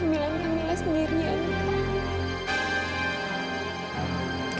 pernah menjalani kehamilan kamilah sendirinya ini kak